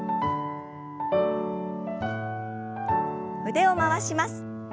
腕を回します。